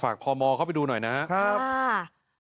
ฝากพมเข้าไปดูหน่อยนะครับครับอ่า